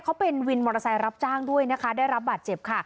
เขาเป็นวินมอเตอร์ไซค์รับจ้างด้วยนะคะได้รับบาดเจ็บค่ะ